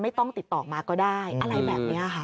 ไม่ต้องติดต่อมาก็ได้อะไรแบบนี้ค่ะ